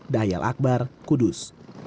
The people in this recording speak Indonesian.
dahyal akbar kudus